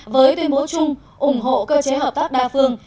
với tuyên bố chung ủng hộ cơ chế hợp tác đa phương